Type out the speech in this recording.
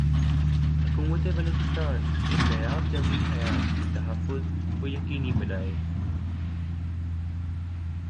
حکومت بلوچستان ان نایاب جنگلی حیات کی تحفظ کو یقینی بنائے